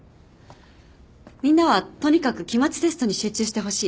みんなはとにかく期末テストに集中してほしい。